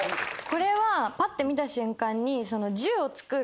これはパッて見た瞬間に。